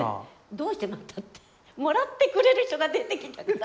どうしてまたってもらってくれる人が出てきたから。